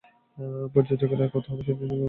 প্রযোজকের আয় কত হবে, সেটি নিয়ে তাই জল্পনা চলছে।